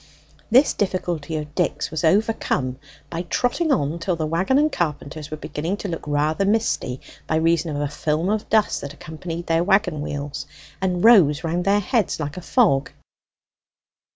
This difficulty of Dick's was overcome by trotting on till the wagon and carpenters were beginning to look rather misty by reason of a film of dust that accompanied their wagon wheels, and rose around their heads like a fog.